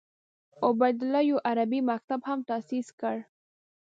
عبیدالله یو عربي مکتب هم تاسیس کړ.